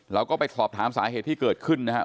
เราก็ไปสอบถามสาเหตุที่เกิดขึ้นนะครับ